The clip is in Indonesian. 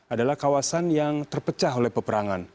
adalah kawasan yang terpecah oleh peperangan